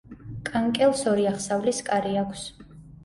კანკელს ორი აღსავლის კარი აქვს.